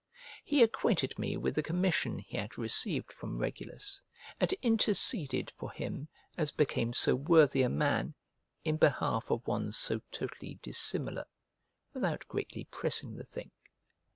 He acquainted me with the commission he had received from Regulus, and interceded for him as became so worthy a man in behalf of one so totally dissimilar, without greatly pressing the thing.